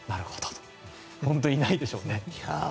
本当いないでしょうね。